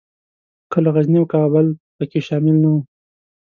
کله غزني او کابل پکښې شامل نه وو.